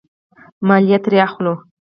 مالیه ترې اخلو.